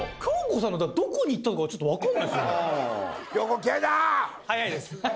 京子さんがどこに行ったのかちょっと分かんないっすよ。